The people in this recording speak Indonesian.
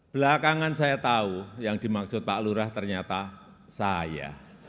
belakangan saya tahu yang dimaksud pak lurah ternyata saya